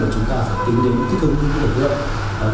là chúng ta phải tính đến những thích hứng của nông thôn khí hậu